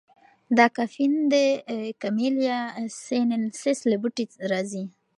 دا کافین د کمیلیا سینینسیس له بوټي راځي.